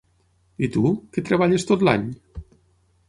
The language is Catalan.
I tu, que treballes tot l'any?